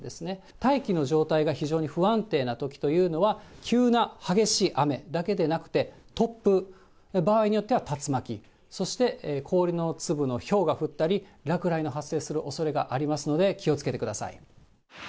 大気の状態が非常に不安定なときというのは、急な激しい雨だけでなくて、突風、場合によっては竜巻、そして氷の粒のひょうが降ったり、落雷が発生するおそれがありますので、気をつけてください。